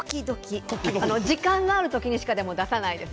でも時間がある時にしか出さないです。